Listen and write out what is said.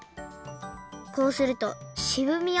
こうするとしぶみや